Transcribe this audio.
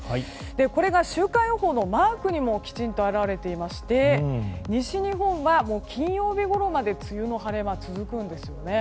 これが週間予報のマークにもきちんと表れていまして西日本は金曜日ごろまで梅雨の晴れ間が続くんですよね。